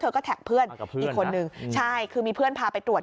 เธอก็แท็กเพื่อนอีกคนนึงใช่คือมีเพื่อนพาไปตรวจ